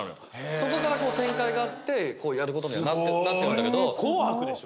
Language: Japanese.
そこからこう展開があってやることにはなってるんだけど紅白でしょ？